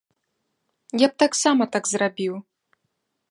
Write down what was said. Я б таксама так зрабіў.